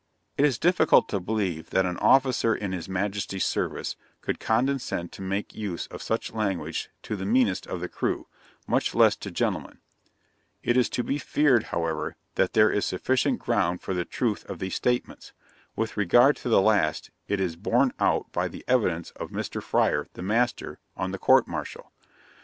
"' It is difficult to believe that an officer in his Majesty's service could condescend to make use of such language to the meanest of the crew, much less to gentlemen: it is to be feared, however, that there is sufficient ground for the truth of these statements: with regard to the last, it is borne out by the evidence of Mr. Fryer, the master, on the court martial.